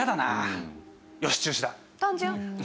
単純。